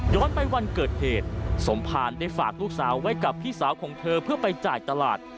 ไปวันเกิดเหตุสมภารได้ฝากลูกสาวไว้กับพี่สาวของเธอเพื่อไปจ่ายตลาด